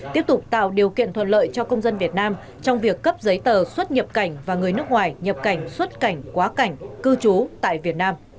tiếp tục tạo điều kiện thuận lợi cho công dân việt nam trong việc cấp giấy tờ xuất nhập cảnh và người nước ngoài nhập cảnh xuất cảnh quá cảnh cư trú tại việt nam